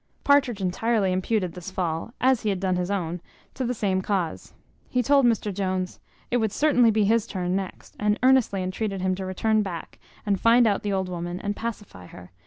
Partridge entirely imputed this fall, as he had done his own, to the same cause. He told Mr Jones, "It would certainly be his turn next; and earnestly entreated him to return back, and find out the old woman, and pacify her.